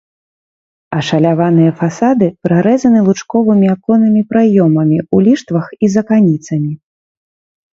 Ашаляваныя фасады прарэзаны лучковымі аконнымі праёмамі ў ліштвах і з аканіцамі.